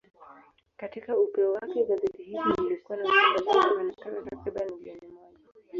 Katika upeo wake, gazeti hilo lilikuwa na usambazaji wa nakala takriban milioni moja.